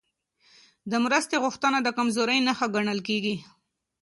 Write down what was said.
د مرستې غوښتنه د کمزورۍ نښه ګڼل کېږي.